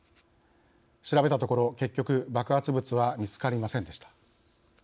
調べたところ、結局爆発物は見つかりませんでした。